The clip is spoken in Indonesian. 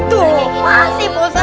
tuh masih bosat